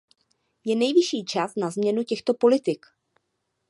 Je nejvyšší čas na změnu těchto politik.